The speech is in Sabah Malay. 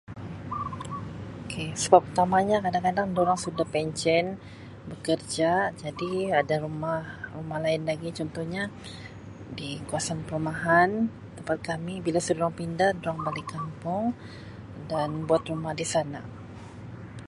Okay sebab utamanya kadang-kadang durang sudah pencen bekerja jadi rumah-rumah lain lagi contohnya di kawasan perumahan, tempat kami bila sudah durang pindah durang balik kampung dan buat rumah di sana.